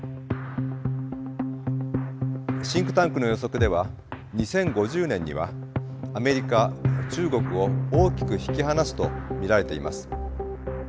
シンクタンクの予測では２０５０年にはアメリカ中国を大きく引き離すと見られています。